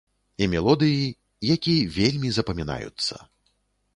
І мелодыі, які вельмі запамінаюцца.